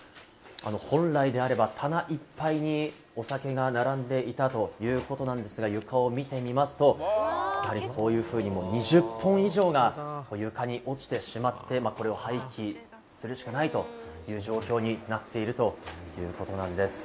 そしてこちら、本来であれば棚いっぱいにお酒が並んでいたということなんですが、床を見てみますと、こういうふうに２０本以上が床に落ちてしまって、廃棄するしかないという状況になっているということなんです。